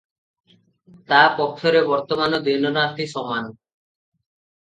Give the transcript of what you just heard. ତା’ ପକ୍ଷରେ ବର୍ତ୍ତମାନ ଦିନରାତି ସମାନ।